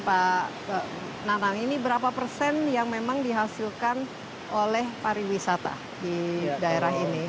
pak nanang ini berapa persen yang memang dihasilkan oleh pariwisata di daerah ini